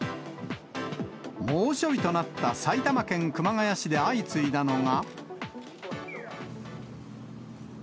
猛暑日となった埼玉県熊谷市で相次いだのが。